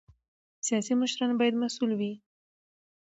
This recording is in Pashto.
سیاسي مشران باید مسؤل وي